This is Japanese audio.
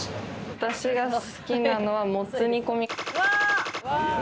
私が好きなのは、モツ煮込み。